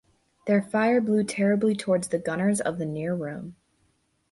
Their fire blew terribly towards the gunners of the near room.